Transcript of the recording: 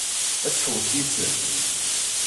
Ad tḥewwes yid-sent?